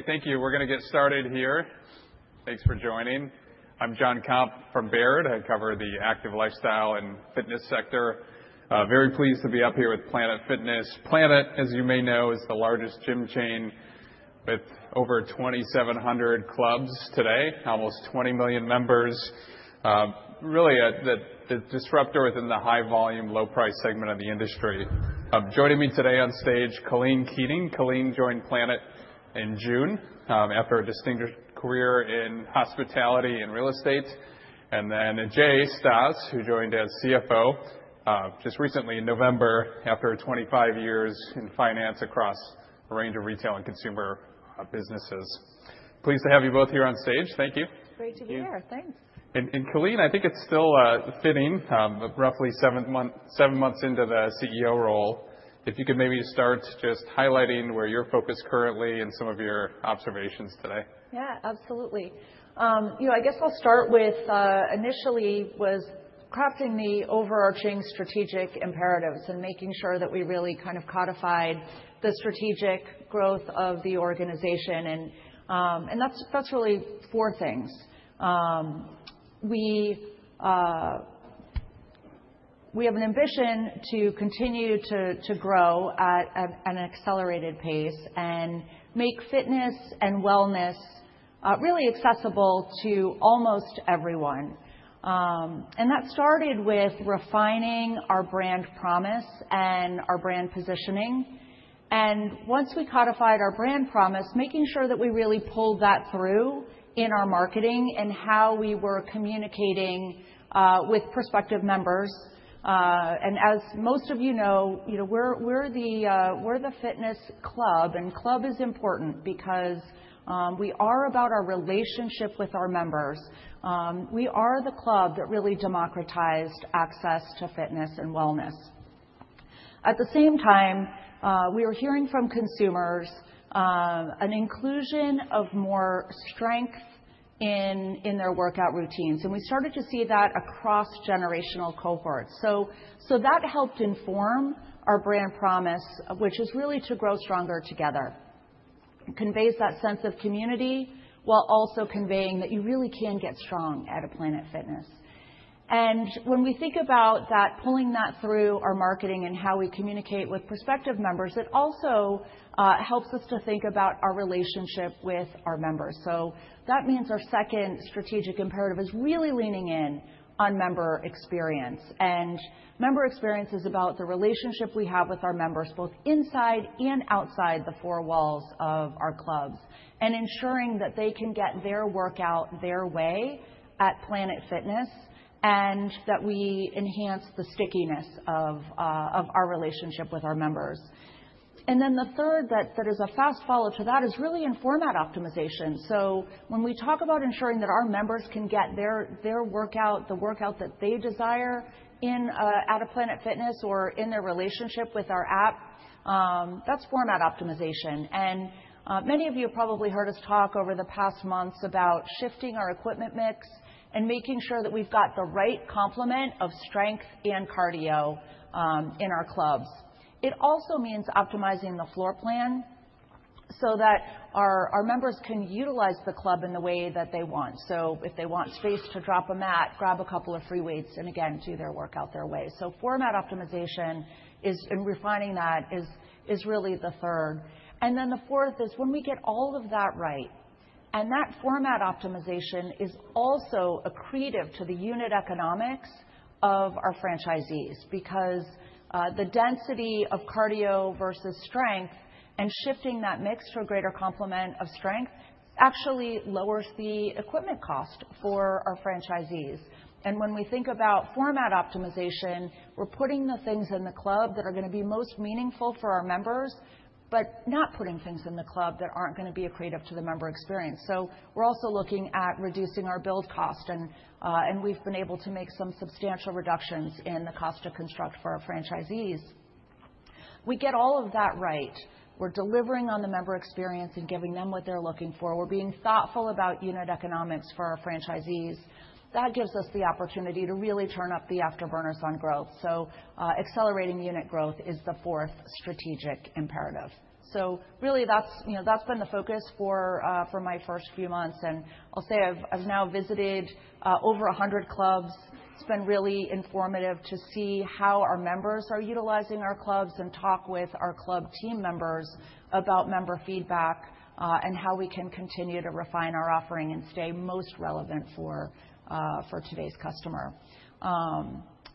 Hey, thank you. We're going to get started here. Thanks for joining. I'm Jonathan Komp from Baird. I cover the active lifestyle and fitness sector. Very pleased to be up here with Planet Fitness. Planet, as you may know, is the largest gym chain with over 2,700 clubs today, almost 20 million members. Really the disruptor within the high-volume, low-price segment of the industry. Joining me today on stage, Colleen Keating. Colleen joined Planet in June after a distinguished career in hospitality and real estate, and then Jay Stasz, who joined as CFO just recently in November after 25 years in finance across a range of retail and consumer businesses. Pleased to have you both here on stage. Thank you. Great to be here. Thanks. Colleen, I think it's still fitting, roughly seven months into the CEO role. If you could maybe start just highlighting where you're focused currently and some of your observations today. Yeah, absolutely. You know, I guess I'll start with initially was crafting the overarching strategic imperatives and making sure that we really kind of codified the strategic growth of the organization. And that's really four things. We have an ambition to continue to grow at an accelerated pace and make fitness and wellness really accessible to almost everyone. And that started with refining our brand promise and our brand positioning. And once we codified our brand promise, making sure that we really pulled that through in our marketing and how we were communicating with prospective members. And as most of you know, we're the fitness club. And club is important because we are about our relationship with our members. We are the club that really democratized access to fitness and wellness. At the same time, we were hearing from consumers an inclusion of more strength in their workout routines. And we started to see that across generational cohorts. So that helped inform our brand promise, which is really to grow stronger together. It conveys that sense of community while also conveying that you really can get strong at a Planet Fitness. And when we think about that, pulling that through our marketing and how we communicate with prospective members, it also helps us to think about our relationship with our members. So that means our second strategic imperative is really leaning in on member experience. And member experience is about the relationship we have with our members, both inside and outside the four walls of our clubs, and ensuring that they can get their workout their way at Planet Fitness and that we enhance the stickiness of our relationship with our members. And then the third that is a fast follow to that is really in format optimization. So when we talk about ensuring that our members can get their workout, the workout that they desire at a Planet Fitness or in their relationship with our app, that's format optimization. And many of you have probably heard us talk over the past months about shifting our equipment mix and making sure that we've got the right complement of strength and cardio in our clubs. It also means optimizing the floor plan so that our members can utilize the club in the way that they want. So if they want space to drop a mat, grab a couple of free weights, and again, do their workout their way. So format optimization and refining that is really the third. And then the fourth is when we get all of that right, and that format optimization is also accretive to the unit economics of our franchisees because the density of cardio versus strength and shifting that mix to a greater complement of strength actually lowers the equipment cost for our franchisees. And when we think about format optimization, we're putting the things in the club that are going to be most meaningful for our members, but not putting things in the club that aren't going to be accretive to the member experience. So we're also looking at reducing our build cost. And we've been able to make some substantial reductions in the cost to construct for our franchisees. We get all of that right. We're delivering on the member experience and giving them what they're looking for. We're being thoughtful about unit economics for our franchisees. That gives us the opportunity to really turn up the afterburners on growth, so accelerating unit growth is the fourth strategic imperative, so really, that's been the focus for my first few months, and I'll say I've now visited over 100 clubs. It's been really informative to see how our members are utilizing our clubs and talk with our club team members about member feedback and how we can continue to refine our offering and stay most relevant for today's customer,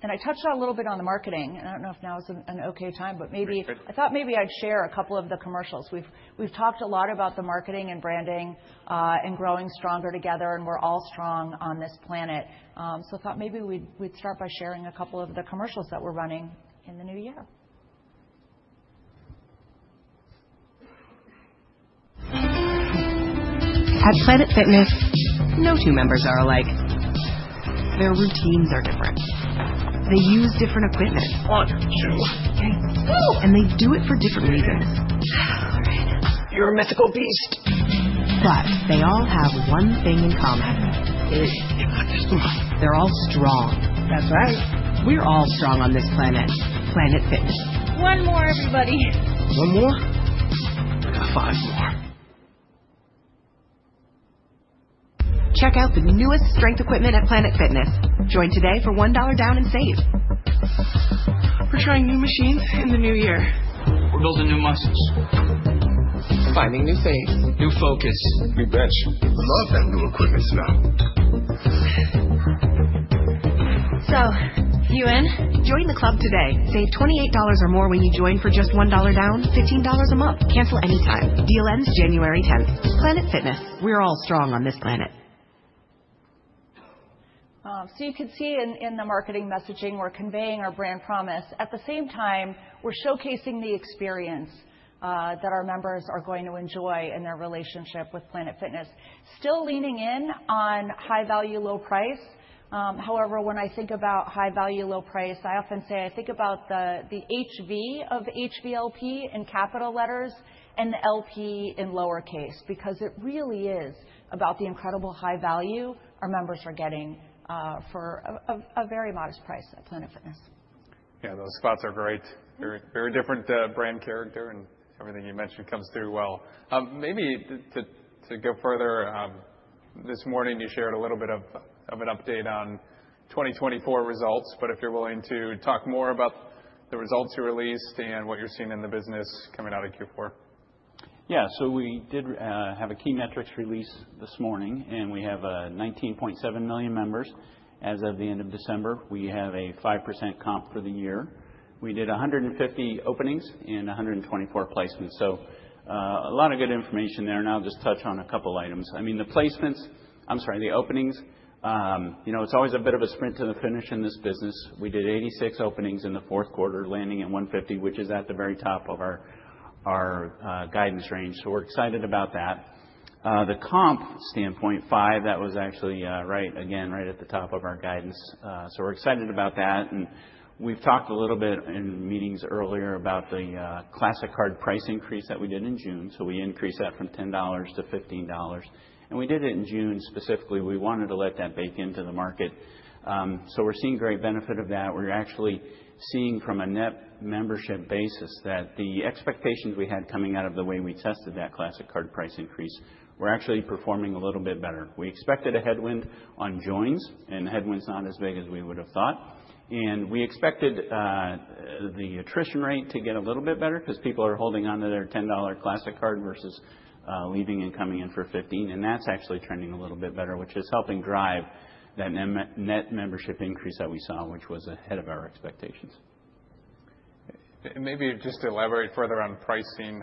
and I touched on a little bit on the marketing, and I don't know if now is an OK time, but maybe I thought maybe I'd share a couple of the commercials. We've talked a lot about the marketing and branding and growing stronger together, and we're all strong on this planet. So I thought maybe we'd start by sharing a couple of the commercials that we're running in the new year. At Planet Fitness, no two members are alike. Their routines are different. They use different equipment. One, two. They do it for different reasons. You're a mythical beast. But they all have one thing in common. They're all strong. That's right. We're all strong on this planet, Planet Fitness. One more, everybody. One more? I got five more. Check out the newest strength equipment at Planet Fitness. Join today for $1 down and save. We're trying new machines in the new year. We're building new muscles. Finding new things. New focus. We bet you love that new equipment now. So, you in? Join the club today. Save $28 or more when you join for just $1 down, $15 a month. Cancel anytime. Deal ends January 10. Planet Fitness. We're all strong on this planet. So you can see in the marketing messaging, we're conveying our brand promise. At the same time, we're showcasing the experience that our members are going to enjoy in their relationship with Planet Fitness. Still leaning in on high value, low price. However, when I think about high value, low price, I often say I think about the HV of HVLP in capital letters and the LP in lowercase because it really is about the incredible high value our members are getting for a very modest price at Planet Fitness. Yeah, those spots are great. Very different brand character, and everything you mentioned comes through well. Maybe to go further, this morning you shared a little bit of an update on 2024 results, but if you're willing to talk more about the results you released and what you're seeing in the business coming out of Q4? Yeah, so we did have a key metrics release this morning. And we have 19.7 million members as of the end of December. We have a 5% comp for the year. We did 150 openings and 124 placements. So a lot of good information there. And I'll just touch on a couple of items. I mean, the placements, I'm sorry, the openings, you know it's always a bit of a sprint to the finish in this business. We did 86 openings in the fourth quarter, landing at 150, which is at the very top of our guidance range. So we're excited about that. The comp standpoint, five, that was actually right again, right at the top of our guidance. So we're excited about that. And we've talked a little bit in meetings earlier about the Classic Card price increase that we did in June. So we increased that from $10 to $15. And we did it in June specifically. We wanted to let that bake into the market. So we're seeing great benefit of that. We're actually seeing from a net membership basis that the expectations we had coming out of the way we tested that Classic Card price increase, we're actually performing a little bit better. We expected a headwind on joins. And the headwind's not as big as we would have thought. And we expected the attrition rate to get a little bit better because people are holding on to their $10 Classic Card versus leaving and coming in for $15. And that's actually trending a little bit better, which is helping drive that net membership increase that we saw, which was ahead of our expectations. Maybe just to elaborate further on pricing,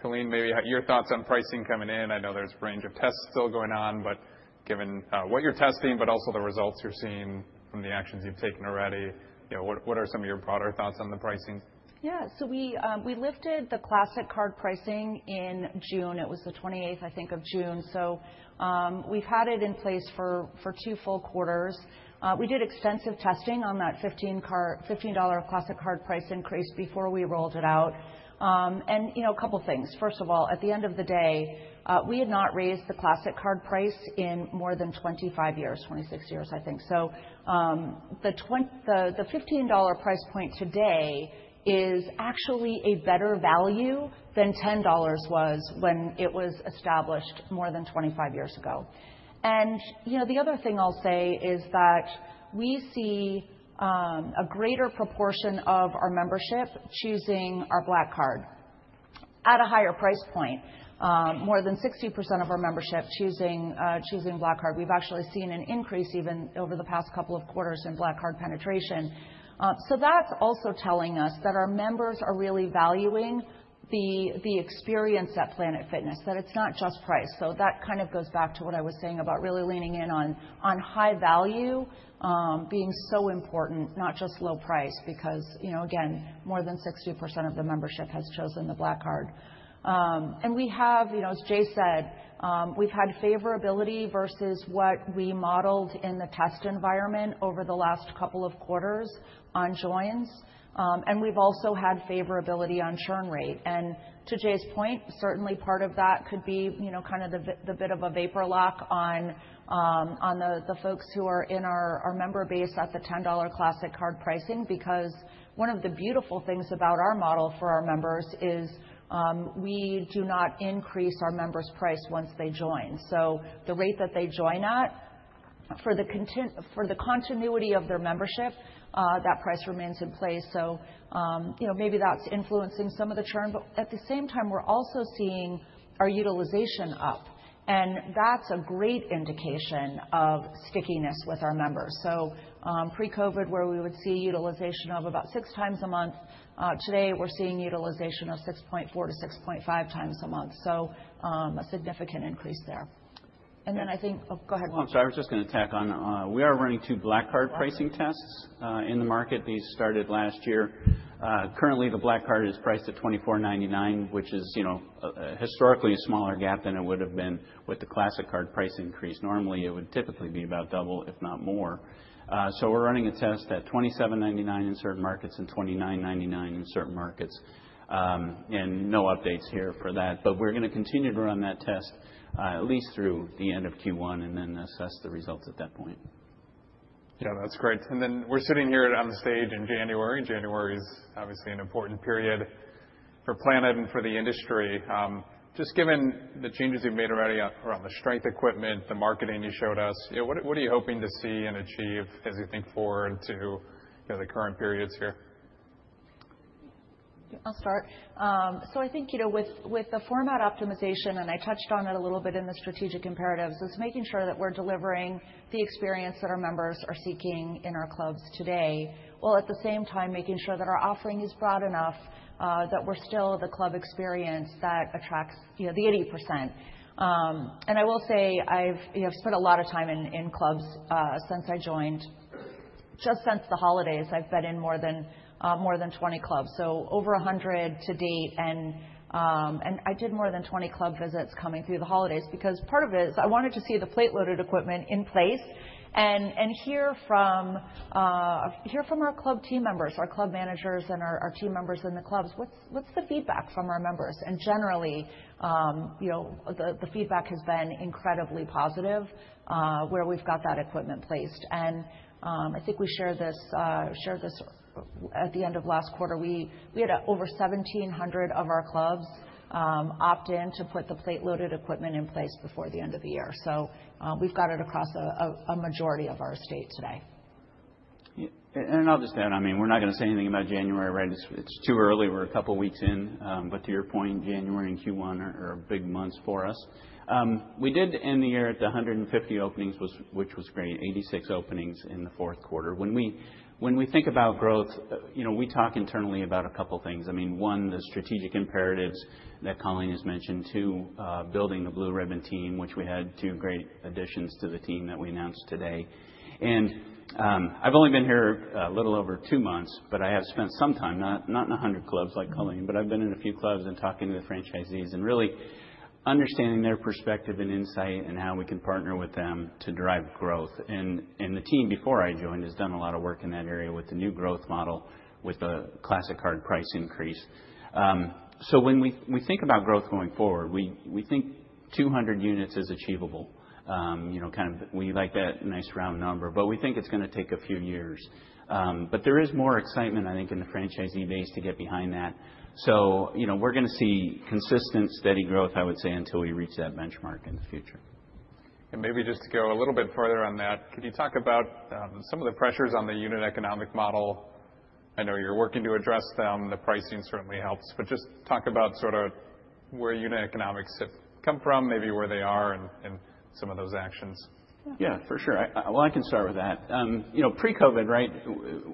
Colleen, maybe your thoughts on pricing coming in. I know there's a range of tests still going on. But given what you're testing, but also the results you're seeing from the actions you've taken already, what are some of your broader thoughts on the pricing? Yeah, so we lifted the Classic Card pricing in June. It was the 28th, I think, of June. So we've had it in place for two full quarters. We did extensive testing on that $15 Classic Card price increase before we rolled it out. And a couple of things. First of all, at the end of the day, we had not raised the Classic Card price in more than 25 years, 26 years, I think. So the $15 price point today is actually a better value than $10 was when it was established more than 25 years ago. And the other thing I'll say is that we see a greater proportion of our membership choosing our Black Card at a higher price point, more than 60% of our membership choosing Black Card. We've actually seen an increase even over the past couple of quarters in Black Card penetration. So that's also telling us that our members are really valuing the experience at Planet Fitness, that it's not just price. So that kind of goes back to what I was saying about really leaning in on high value being so important, not just low price, because again, more than 60% of the membership has chosen the Black Card. And we have, as Jay said, we've had favorability versus what we modeled in the test environment over the last couple of quarters on joins. And we've also had favorability on churn rate. And to Jay's point, certainly part of that could be kind of the bit of a vapor lock on the folks who are in our member base at the $10 Classic Card pricing, because one of the beautiful things about our model for our members is we do not increase our members' price once they join. So the rate that they join at, for the continuity of their membership, that price remains in place. So maybe that's influencing some of the churn. But at the same time, we're also seeing our utilization up. And that's a great indication of stickiness with our members. So pre-COVID, where we would see utilization of about six times a month, today we're seeing utilization of 6.4 to 6.5 times a month. So a significant increase there. And then I think, oh, go ahead. I'm sorry. I was just going to tack on. We are running two Black Card pricing tests in the market. These started last year. Currently, the Black Card is priced at $24.99, which is historically a smaller gap than it would have been with the Classic Card price increase. Normally, it would typically be about double, if not more. We're running a test at $27.99 in certain markets and $29.99 in certain markets. No updates here for that. We're going to continue to run that test at least through the end of Q1 and then assess the results at that point. Yeah, that's great, and then we're sitting here on the stage in January. January is obviously an important period for Planet and for the industry. Just given the changes you've made already around the strength equipment, the marketing you showed us, what are you hoping to see and achieve as you think forward to the current periods here? I'll start, so I think with the format optimization, and I touched on it a little bit in the strategic imperatives, is making sure that we're delivering the experience that our members are seeking in our clubs today, while at the same time making sure that our offering is broad enough that we're still the club experience that attracts the 80%, and I will say I've spent a lot of time in clubs since I joined. Just since the holidays, I've been in more than 20 clubs, so over 100 to date, and I did more than 20 club visits coming through the holidays because part of it is I wanted to see the plate-loaded equipment in place and hear from our club team members, our club managers, and our team members in the clubs, what's the feedback from our members. Generally, the feedback has been incredibly positive where we've got that equipment placed. I think we shared this at the end of last quarter. We had over 1,700 of our clubs opt in to put the plate-loaded equipment in place before the end of the year. We've got it across a majority of our estate today. I'll just add, I mean, we're not going to say anything about January, right? It's too early. We're a couple of weeks in. But to your point, January and Q1 are big months for us. We did end the year at the 150 openings, which was great, 86 openings in the fourth quarter. When we think about growth, we talk internally about a couple of things. I mean, one, the strategic imperatives that Colleen has mentioned, two, building the Blue Ribbon team, which we had two great additions to the team that we announced today. I've only been here a little over two months, but I have spent some time, not in 100 clubs like Colleen, but I've been in a few clubs and talking to the franchisees and really understanding their perspective and insight and how we can partner with them to drive growth. The team before I joined has done a lot of work in that area with the new growth model with the Classic Card price increase. So when we think about growth going forward, we think 200 units is achievable. Kind of we like that nice round number. But we think it's going to take a few years. But there is more excitement, I think, in the franchisee base to get behind that. So we're going to see consistent, steady growth, I would say, until we reach that benchmark in the future. And maybe just to go a little bit further on that, could you talk about some of the pressures on the unit economics model? I know you're working to address them. The pricing certainly helps. But just talk about sort of where unit economics have come from, maybe where they are and some of those actions. Yeah, for sure. Well, I can start with that. Pre-COVID, right,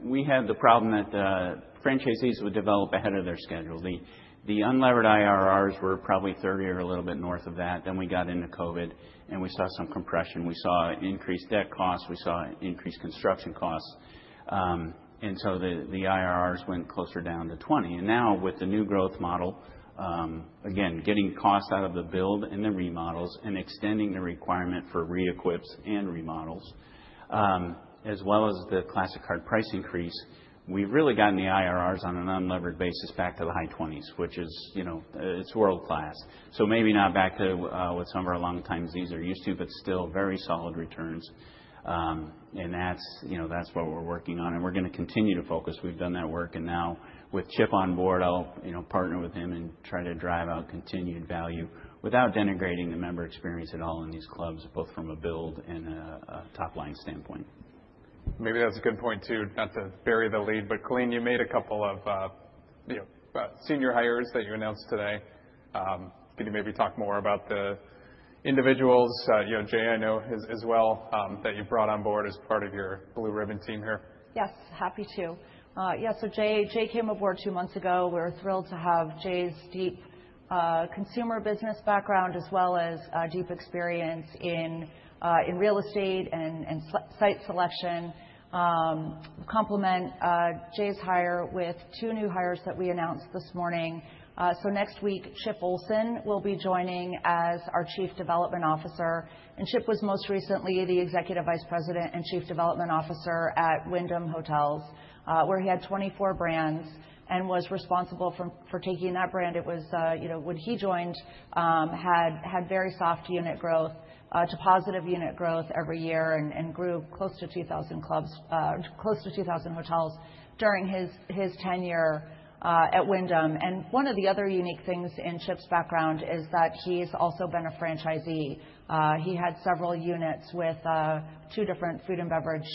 we had the problem that franchisees would develop ahead of their schedule. The unlevered IRRs were probably 30 or a little bit north of that. Then we got into COVID, and we saw some compression. We saw increased debt costs. We saw increased construction costs. And so the IRRs went closer down to 20. And now with the new growth model, again, getting cost out of the build and the remodels and extending the requirement for re-equips and remodels, as well as the Classic Card price increase, we've really gotten the IRRs on an unlevered basis back to the high 20s, which is, it's world-class. So maybe not back to what some of our longtime Zees are used to, but still very solid returns. And that's what we're working on. And we're going to continue to focus. We've done that work, and now with Chip on board, I'll partner with him and try to drive out continued value without denigrating the member experience at all in these clubs, both from a build and a top line standpoint. Maybe that's a good point too, not to bury the lead. But Colleen, you made a couple of senior hires that you announced today. Could you maybe talk more about the individuals? Jay, I know as well that you brought on board as part of your Blue Ribbon team here. Yes, happy to. Yeah, so Jay came aboard two months ago. We're thrilled to have Jay's deep consumer business background as well as deep experience in real estate and site selection. We complement Jay's hire with two new hires that we announced this morning. Next week, Chip Ohlsson will be joining as our Chief Development Officer. Chip was most recently the Executive Vice President and Chief Development Officer at Wyndham Hotels, where he had 24 brands and was responsible for taking that brand. It was when he joined had very soft unit growth to positive unit growth every year and grew close to 2,000 hotels during his tenure at Wyndham. One of the other unique things in Chip's background is that he's also been a franchisee. He had several units with two different food and beverage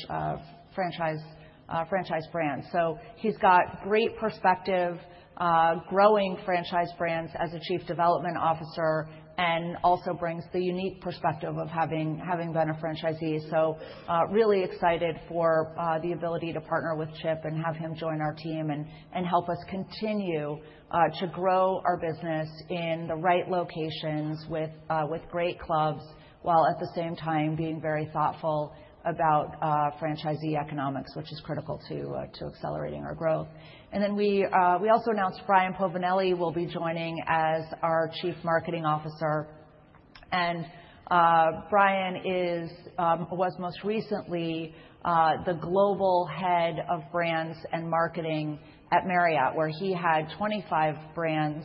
franchise brands. So he's got great perspective, growing franchise brands as a Chief Development Officer and also brings the unique perspective of having been a franchisee. So really excited for the ability to partner with Chip and have him join our team and help us continue to grow our business in the right locations with great clubs while at the same time being very thoughtful about franchisee economics, which is critical to accelerating our growth. And then we also announced Brian Povinelli will be joining as our Chief Marketing Officer. And Brian was most recently the Global Head of Brands and Marketing at Marriott, where he had 25 brands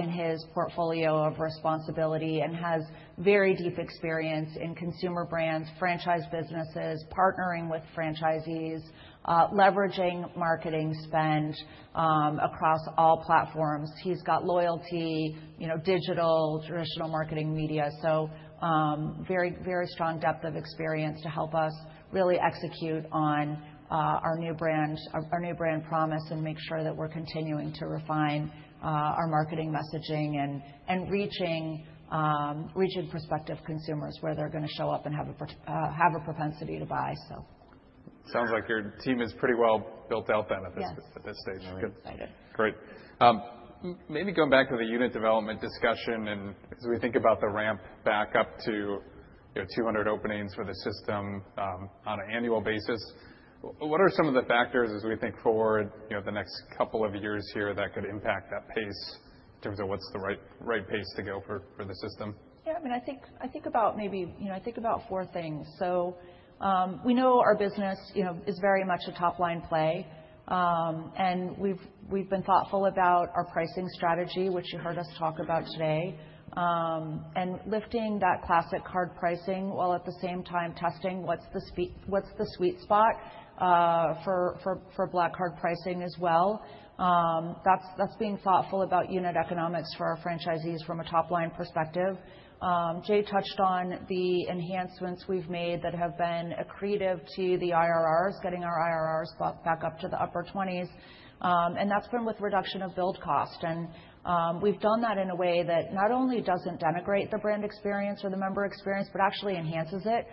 in his portfolio of responsibility and has very deep experience in consumer brands, franchise businesses, partnering with franchisees, leveraging marketing spend across all platforms. He's got loyalty, digital, traditional marketing, media. Very, very strong depth of experience to help us really execute on our new brand promise and make sure that we're continuing to refine our marketing messaging and reaching prospective consumers where they're going to show up and have a propensity to buy. Sounds like your team is pretty well built out then at this stage. Yes, excited. Great. Maybe going back to the unit development discussion and as we think about the ramp back up to 200 openings for the system on an annual basis, what are some of the factors as we think forward the next couple of years here that could impact that pace in terms of what's the right pace to go for the system? Yeah, I mean, I think about four things. So we know our business is very much a top line play. We've been thoughtful about our pricing strategy, which you heard us talk about today, and lifting that Classic Card pricing while at the same time testing what's the sweet spot for Black Card pricing as well. That's being thoughtful about unit economics for our franchisees from a top line perspective. Jay touched on the enhancements we've made that have been creative to the IRRs, getting our IRRs back up to the upper 20s. That's been with reduction of build cost. We've done that in a way that not only doesn't denigrate the brand experience or the member experience, but actually enhances it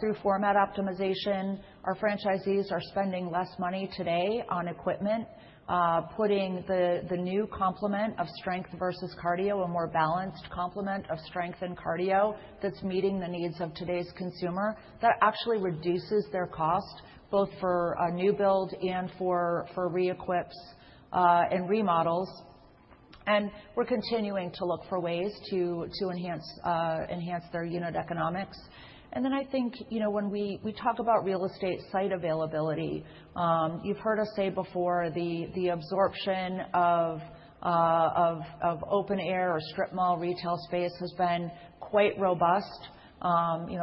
through format optimization. Our franchisees are spending less money today on equipment, putting the new complement of strength versus cardio, a more balanced complement of strength and cardio that's meeting the needs of today's consumer that actually reduces their cost both for new build and for re-equips and remodels, and we're continuing to look for ways to enhance their unit economics, and then I think when we talk about real estate site availability, you've heard us say before the absorption of open air or strip mall retail space has been quite robust,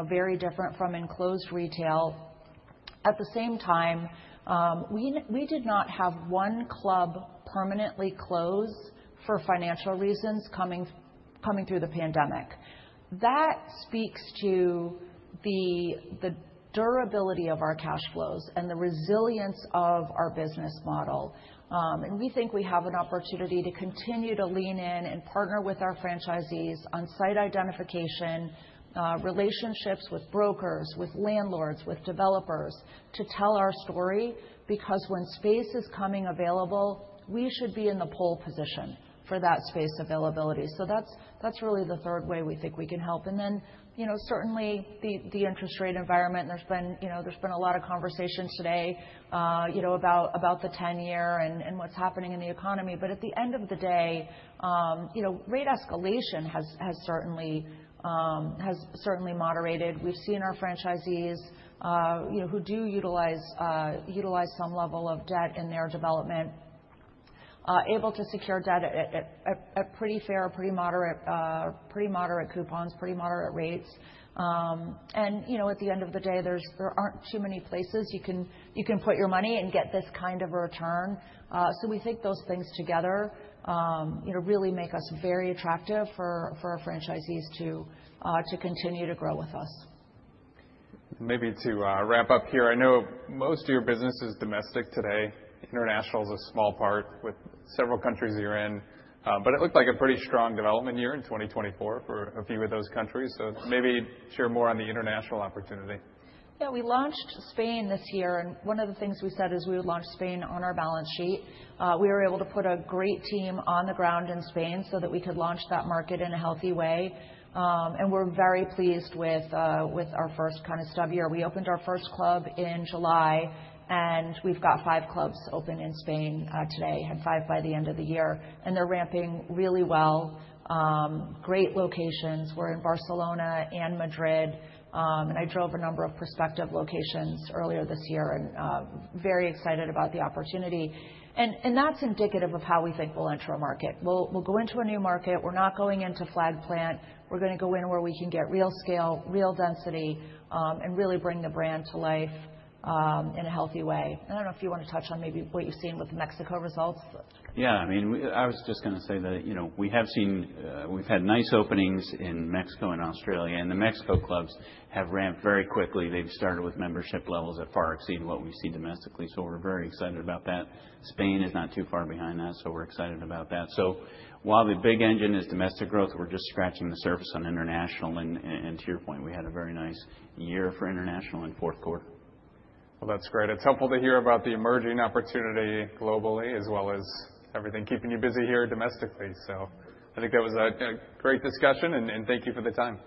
very different from enclosed retail. At the same time, we did not have one club permanently close for financial reasons coming through the pandemic. That speaks to the durability of our cash flows and the resilience of our business model. And we think we have an opportunity to continue to lean in and partner with our franchisees on site identification, relationships with brokers, with landlords, with developers to tell our story. Because when space is coming available, we should be in the pole position for that space availability. So that's really the third way we think we can help. And then certainly the interest rate environment. There's been a lot of conversations today about the ten-year and what's happening in the economy. But at the end of the day, rate escalation has certainly moderated. We've seen our franchisees who do utilize some level of debt in their development able to secure debt at pretty fair, pretty moderate coupons, pretty moderate rates. And at the end of the day, there aren't too many places you can put your money and get this kind of a return. So we think those things together really make us very attractive for our franchisees to continue to grow with us. Maybe to wrap up here, I know most of your business is domestic today. International is a small part with several countries you're in. But it looked like a pretty strong development year in 2024 for a few of those countries. So maybe share more on the international opportunity? Yeah, we launched Spain this year. One of the things we said is we would launch Spain on our balance sheet. We were able to put a great team on the ground in Spain so that we could launch that market in a healthy way. We're very pleased with our first kind of stub year. We opened our first club in July, and we've got five clubs open in Spain today, had five by the end of the year. They're ramping really well. Great locations. We're in Barcelona and Madrid. I drove a number of prospective locations earlier this year and very excited about the opportunity. That's indicative of how we think we'll enter a market. We'll go into a new market. We're not going into flag plant. We're going to go in where we can get real scale, real density, and really bring the brand to life in a healthy way, and I don't know if you want to touch on maybe what you've seen with the Mexico results. Yeah, I mean, I was just going to say that we have seen we've had nice openings in Mexico and Australia, and the Mexico clubs have ramped very quickly. They've started with membership levels that far exceed what we see domestically, so we're very excited about that. Spain is not too far behind that, so we're excited about that, so while the big engine is domestic growth, we're just scratching the surface on international, and to your point, we had a very nice year for international in fourth quarter. That's great. It's helpful to hear about the emerging opportunity globally as well as everything keeping you busy here domestically. I think that was a great discussion. Thank you for the time.